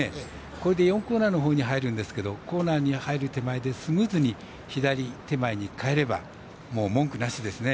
これで４コーナーのほうに入るんですけどコーナーのほうに入る前にスムーズに左手前に、かえれば文句なしですね。